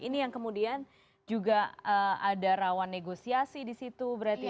ini yang kemudian juga ada rawan negosiasi di situ berarti ya